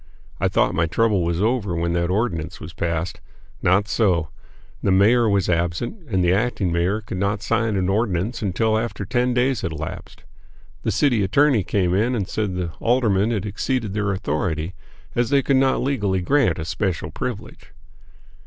I thought my trouble was over when that ordinance was passed. Not so; the mayor was absent, and the acting mayor could not sign an ordinance until after ten days had elapsed. The city attorney came in and said the aldermen had exceeded their authority, as they could not legally grant a special privilege.